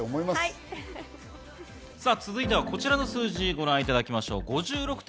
続いてはこちらの数字をご覧いただきます。